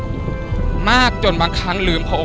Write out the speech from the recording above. ก็ต้องยอมรับว่ามันอัดอั้นตันใจและมันกลั้นไว้ไม่อยู่จริง